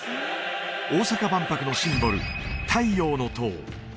大阪万博のシンボル「太陽の塔」